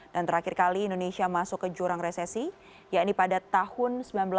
dan terakhir kali indonesia masuk ke jurang resesi ya ini pada tahun seribu sembilan ratus sembilan puluh delapan